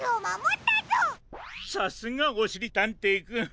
さすがおしりたんていくん。